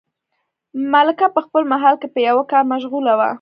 ملکه په خپل محل کې په یوه کار مشغوله وه.